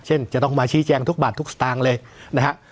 จะต้องมาชี้แจงทุกบาททุกสตางค์เลยนะฮะ